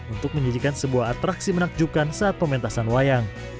untuk menjadikan sebuah atraksi menakjubkan saat pementasan wayang